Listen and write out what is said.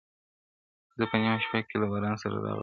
زه په نیمه شپه کي له باران سره راغلی وم -